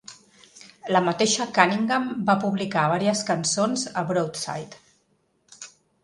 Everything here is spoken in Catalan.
La mateixa Cunningham va publicar vàries cançons a "Broadside".